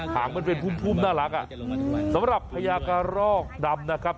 หางมันเป็นพุ่มพุ่มน่ารักอ่ะสำหรับพญากระรอกดำนะครับ